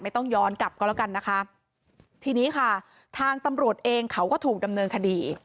ต้องย้อนกลับก็แล้วกันนะคะทีนี้ค่ะทางตำรวจเองเขาก็ถูกดำเนินคดี